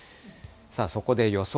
そこで予想